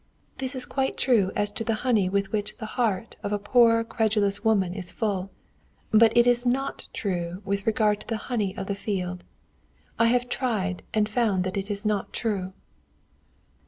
This is quite true as to the honey with which the heart of a poor credulous woman is full, but it is not true with regard to the honey of the field. I have tried and found that it is not true."